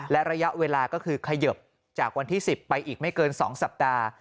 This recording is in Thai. และระยะเวลาก็คือเขยิบจากวันที่๑๐ไปอีกไม่เกิน๒สัปดาห์